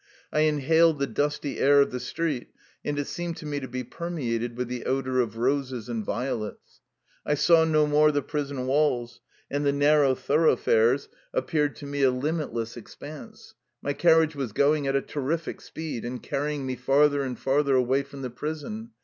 I inhaled the dusty air of the street, and it seemed to me to be permeated with the odor of roses and violets. I saw no more the prison walls, and the narrow thoroughfare appeared to 205 THE LIFE STOKY OF A RUSSIAN EXILE me a limitless expanse. My carriage was going at a terrific speed, and carrying me farther and farther away from the prison.